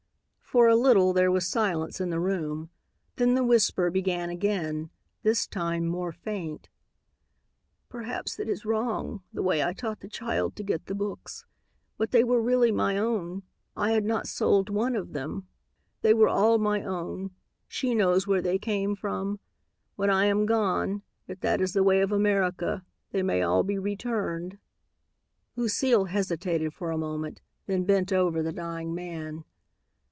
For a little there was silence in the room, then the whisper began again, this time more faint: "Perhaps it was wrong, the way I taught the child to get the books. But they were really my own. I had not sold one of them. They were all my own. She knows where they came from. When I am gone, if that is the way of America, they may all be returned." Lucile hesitated for a moment, then bent over the dying man.